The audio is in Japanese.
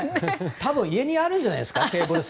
多分家にあるんじゃないですか。